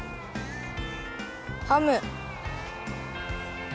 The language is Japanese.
ハム。